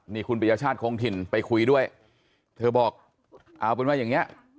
นี่คุณปริญญาชาติคงถิ่นไปคุยด้วยเธอบอกเอาเป็นว่าอย่างนี้